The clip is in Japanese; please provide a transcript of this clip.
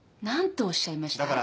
何とおっしゃいました？